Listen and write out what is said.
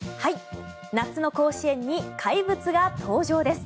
夏の甲子園に怪物が登場です。